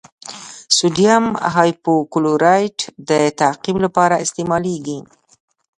سوډیم هایپوکلورایټ د تعقیم لپاره استعمالیږي.